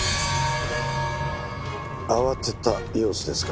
慌てた様子ですか。